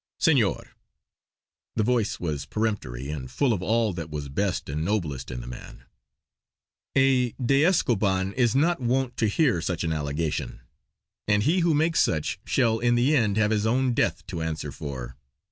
"Senor!" the voice was peremptory and full of all that was best and noblest in the man. "A de Escoban is not wont to hear such an allegation; and he who makes such shall in the end have his own death to answer for!"